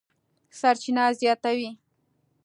سرچینه زیاتوي